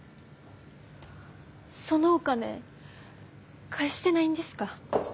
そのお金返してないんですか？